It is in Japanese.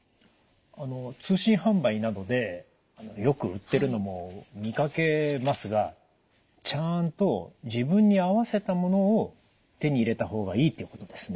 あの通信販売などでよく売ってるのも見かけますがちゃんと自分に合わせたものを手に入れた方がいいっていうことですね。